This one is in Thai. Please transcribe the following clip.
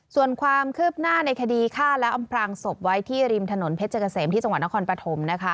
ส่วนความคืบหน้าในคดีฆ่าและอำพรางศพไว้ที่ริมถนนเพชรเกษมที่จังหวัดนครปฐม